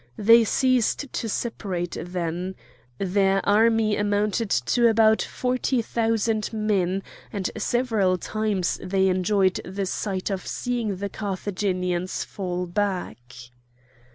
They ceased to separate then. Their army amounted to about forty thousand men, and several times they enjoyed the sight of seeing the Carthaginians fall back.